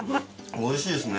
美味しいですね。